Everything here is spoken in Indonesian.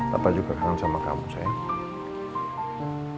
papa juga kangen sama kamu sayang